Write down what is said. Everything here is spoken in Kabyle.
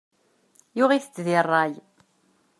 Yuɣ-itent di ṛṛay.